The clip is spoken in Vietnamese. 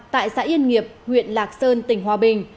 tại xã yên nghiệp huyện lạc sơn tỉnh hòa bình